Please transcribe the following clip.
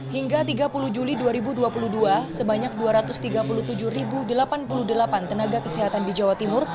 hingga tiga puluh juli dua ribu dua puluh dua sebanyak dua ratus tiga puluh tujuh delapan puluh delapan tenaga kesehatan di jawa timur